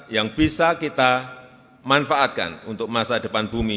yang bisa kita manfaatkan untuk masa depan bumi